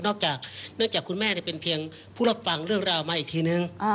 เนื่องจากคุณแม่เป็นเพียงผู้รับฟังเรื่องราวมาอีกทีนึง